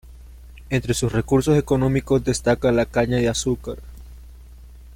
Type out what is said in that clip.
Entre sus recursos económicos destaca la caña de azúcar.